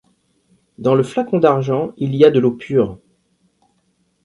Dans le flacon d’argent il y a de l’eau pure.